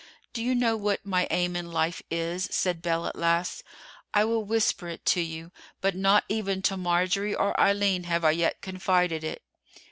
"Do you know what my aim in life is?" said Belle at last. "I will whisper it to you; but not even to Marjorie or Eileen have I yet confided it."